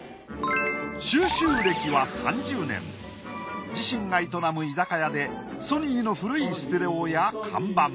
私は自身が営む居酒屋でソニーの古いステレオや看板